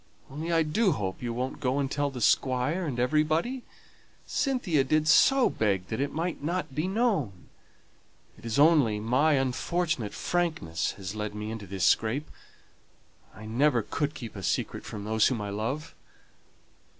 Only I do hope you won't go and tell the Squire and everybody. Cynthia did so beg that it might not be known. It is only my unfortunate frankness that has led me into this scrape. I never could keep a secret from those whom I love."